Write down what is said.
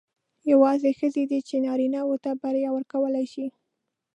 یوازې ښځې دي چې نارینه وو ته بریا ورکولای شي.